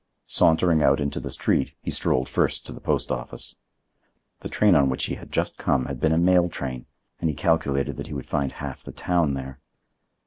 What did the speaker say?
Sauntering out into the street, he strolled first toward the post office. The train on which he had just come had been a mail train, and he calculated that he would find half the town there.